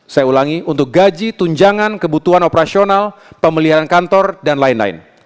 saya ulangi untuk gaji tunjangan kebutuhan operasional pemeliharaan kantor dan lain lain